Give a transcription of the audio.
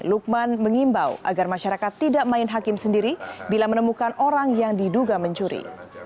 lukman mengimbau agar masyarakat tidak main hakim sendiri bila menemukan orang yang diduga mencuri